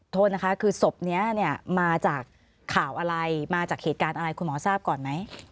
โทษนะคะคือศพนี้เนี่ยมาจากข่าวอะไรมาจากเหตุการณ์อะไรคุณหมอทราบก่อนไหม